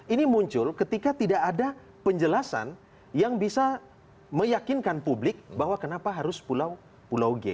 ini muncul ketika tidak ada penjelasan yang bisa meyakinkan publik bahwa kenapa harus pulau g